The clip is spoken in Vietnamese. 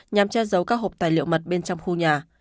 nhằm che giấu các hộp tài liệu mật bên trong khu nhà